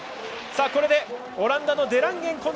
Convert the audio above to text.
これでオランダのデランゲン